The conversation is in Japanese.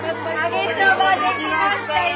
できましたよ。